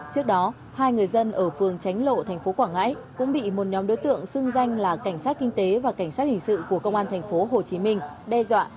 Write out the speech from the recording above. trước đó hai người dân ở phường tránh lộ thành phố quảng ngãi cũng bị một nhóm đối tượng xưng danh là cảnh sát kinh tế và cảnh sát hình sự của công an thành phố hồ chí minh đe dọa